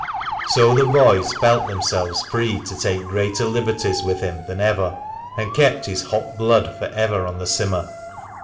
So the boys felt themselves free to take greater liberties with him than ever and kept his hot blood for ever on the simmer.